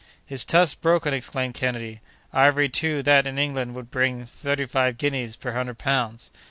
"His tusk's broken!" exclaimed Kennedy—"ivory too that in England would bring thirty five guineas per hundred pounds."